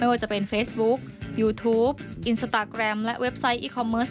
ว่าจะเป็นเฟซบุ๊คยูทูปอินสตาแกรมและเว็บไซต์อีคอมเมิร์ส